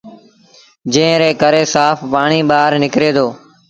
جݩهݩ ري ڪري سآڦ پآڻيٚ ٻآهر نڪري دو۔